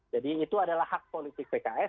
jadi itu adalah hak politik pks